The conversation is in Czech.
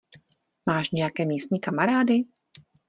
Máš nějaké místní kamarády?